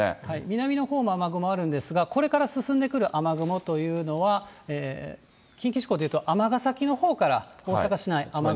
南のほうも雨雲あるんですがこれから進んでくる雨雲というのは、近畿地方でいうと、尼崎のほうから大阪市内、雨雲が来ます。